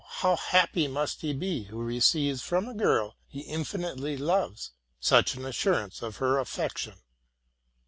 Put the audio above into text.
how happy must he be, who receives from a girl he infinitely loves, such an assurance of her affection.